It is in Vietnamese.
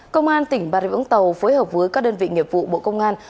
công an tỉnh bà rịa úng tàu phối hợp với các đơn vị nghiệp vụ bộ công an